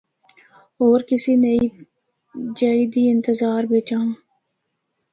ہور کسی نوّی جائی دی انتظار بچ ہے۔